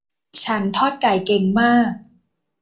ฉันทอดไก่เก่งมาก